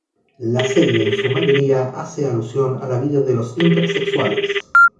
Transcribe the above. La serie en su mayoría hace alusión a la vida de los intersexuales.